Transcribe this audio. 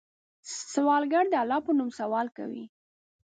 سوالګر د الله په نوم سوال کوي